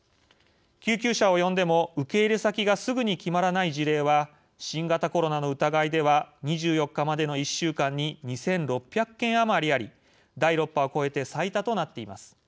救急車を呼んでも受け入れ先がすぐに決まらない事例は新型コロナの疑いでは２４日までの１週間に２６００件余りあり第６波を超えて最多となっています。